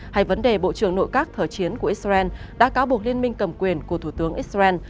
hay vấn đề bộ trưởng nội các thời chiến của israel đã cáo buộc liên minh cầm quyền của thủ tướng israel